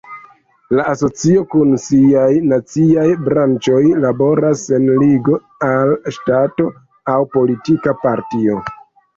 La asocio kun siaj naciaj branĉoj laboras sen ligo al ŝtato aŭ politika partio.